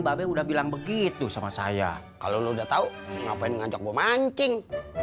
babi udah bilang begitu sama saya kalau udah tahu ngapain ngajak mancing